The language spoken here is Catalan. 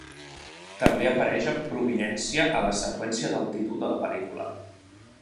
També apareix amb prominència a la seqüència del títol de la pel·lícula.